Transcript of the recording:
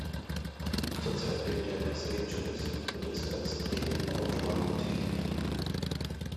Zurzeit lebt er in Los Angeles und ist als Drehbuchautor tätig.